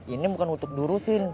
ini bukan untuk durusin